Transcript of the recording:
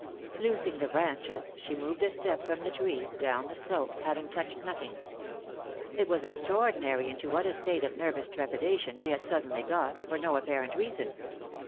Loosing the branches she moved a step from the tree, down the slope, having touched nothing. It was extraordinary into what a state of nervous trepidation she had suddenly got, for no apparent reason.